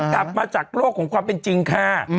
กลับมาจากโลกของความเป็นจริงค่ะ